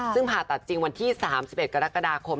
ซึ่งผ่าตัดจริงวันที่๓๑กรกฎาคม